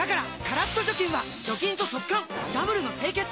カラッと除菌は除菌と速乾ダブルの清潔！